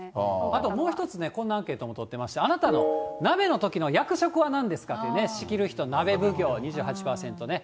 あともう一つ、こんなアンケートも取っていまして、鍋のときの役職はなんですかと、仕切る人、鍋奉行２８％ね。